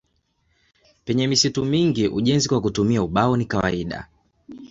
Penye misitu mingi ujenzi kwa kutumia ubao ni kawaida.